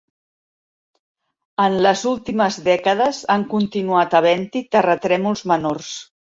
En les últimes dècades han continuat havent-hi terratrèmols menors.